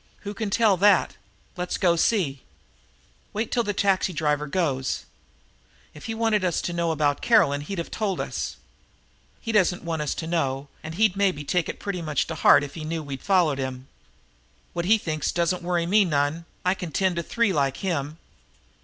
Who can tell that? Let's go see." "Wait till that taxi driver goes. If he'd wanted us to know about Caroline he'd of told us. He doesn't want us to know and he'd maybe take it pretty much to heart if he knew we'd followed him." "What he thinks don't worry me none. I can tend to three like him."